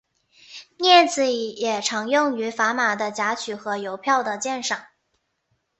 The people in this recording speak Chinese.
镊子也常用于砝码的夹取和邮票的鉴赏。